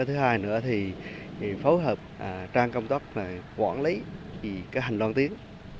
thứ hai nữa thì phối hợp trang công tác quản lý hành lang tiếng